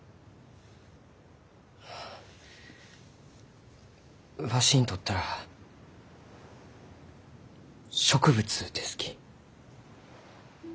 あわしにとったら植物ですき。